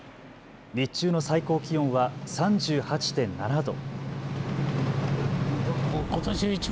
日中の最高気温は３８．７度。